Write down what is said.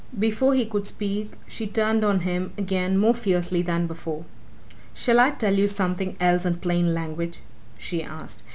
Before he could speak she turned on him again more fiercely than before. "Shall I tell you something else in plain language?" she asked.